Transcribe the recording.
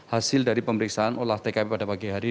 hasil dari pemeriksaan olah tkp pada pagi hari